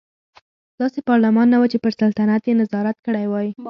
داسې پارلمان نه و چې پر سلطنت یې نظارت کړی وای.